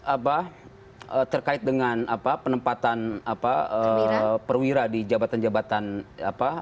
apa terkait dengan penempatan perwira di jabatan jabatan apa